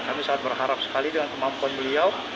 kami sangat berharap sekali dengan kemampuan beliau